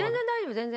全然。